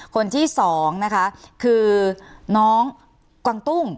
คนที่สองนะคะคือน้องกวางตุ้ง